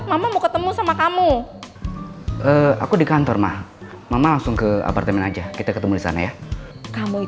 mama mau ketemu sama kamu aku di kantor mah mama langsung ke apartemen aja kita ketemu di sana ya kamu